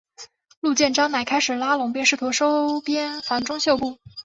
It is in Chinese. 陆建章乃开始拉拢并试图收编樊钟秀部。